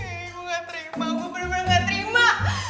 lihat kak gue nggak terima gue benar benar nggak terima